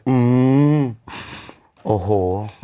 อืมโอ้โห